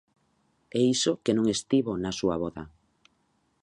E iso que non estivo na súa voda.